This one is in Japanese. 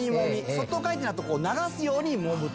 外回転だと流すようにもむと。